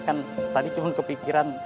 kan tadi cuma kepikiran